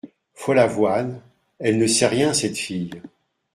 Follavoine Elle ne sait rien cette fille !